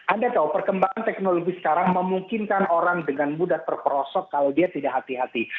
anda tahu perkembangan teknologi sekarang memungkinkan orang dengan mudah terperosok kalau dia tidak hati hati